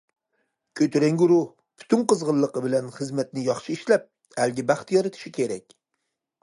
كۆتۈرەڭگۈ روھ، پۈتۈن قىزغىنلىقى بىلەن خىزمەتنى ياخشى ئىشلەپ، ئەلگە بەخت يارىتىشى كېرەك.